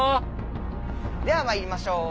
ではまいりましょう！